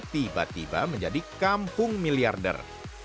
tiba tiba menjadi kampung miliarder